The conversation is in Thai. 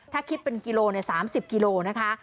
ถ้าคิดเป็นกิโล๓๐กิโลนะคะ